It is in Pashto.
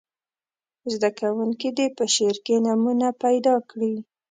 زده کوونکي دې په شعر کې نومونه پیداکړي.